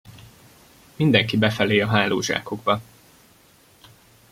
Mindenki befelé a hálózsákokba.